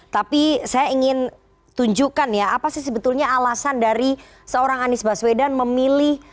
tapi saya ingin tunjukkan ya apa sih sebetulnya alasan dari seorang anies baswedan memilih